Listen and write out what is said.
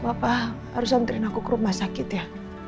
mas al papa harus ambil aku ke rumah sakit ya